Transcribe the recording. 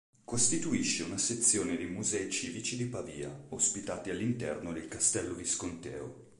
Costituisce una sezione dei Musei civici di Pavia, ospitati all'interno del Castello visconteo.